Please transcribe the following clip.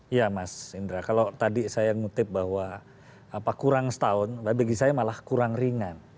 iya mas indra kalau tadi saya ngutip bahwa kurang setahun bagi saya malah kurang ringan